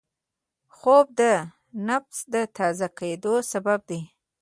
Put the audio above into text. خوب د نفس د تازه کېدو سبب دی